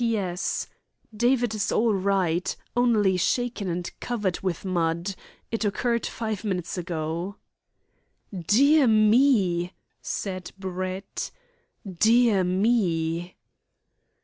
"P.S. David is all right only shaken and covered with mud. It occurred five minutes ago." "Dear me!" said Brett. "Dear me!"